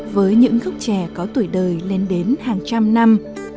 với những gốc trẻ có tuổi đời lên đến hàng trăm năm